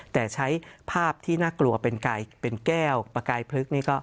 แต่ใช้ภาพที่น่ากลัวเป็นแก้วประกายพลึกนี่ก็